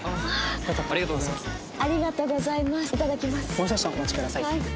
もう少々お待ちください。